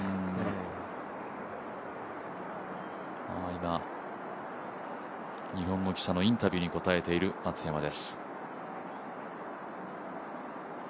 今、日本の記者のインタビューに答えている松山です。